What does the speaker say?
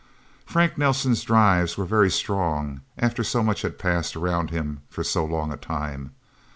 Frank Nelsen's drives were very strong, after so much had passed around him for so long a time.